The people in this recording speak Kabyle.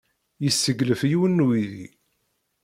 Yesseglef yiwen n uydi.